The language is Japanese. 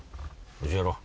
教えろ。